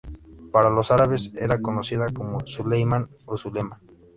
Para los árabes era conocida por Suleimán o Zulema.